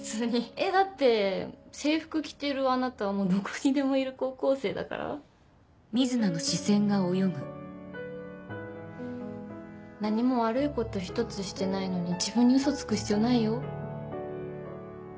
えっだって制服着てるあなたはどこにでもいる高校生だから。何も悪いこと一つしてないのに自分にウソつく必要ないよ。